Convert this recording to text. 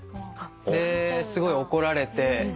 ですごい怒られて。